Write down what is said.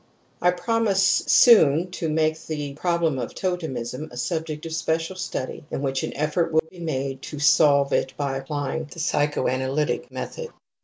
I promise soon to make the problem of totemism a subject of special study in which an effort will be made to solve it by apply ing the psychoanalytic method.